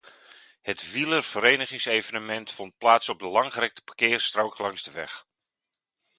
Het wielerverenigingsevenement vond plaats op de langgerekte parkeerstrook langs de weg.